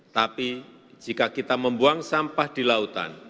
tapi jika kita membuang sampah di lautan